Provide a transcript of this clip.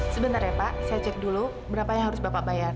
sebentar ya pak saya cek dulu berapa yang harus bapak bayar